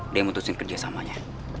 dia yang mutusin kerjasamanya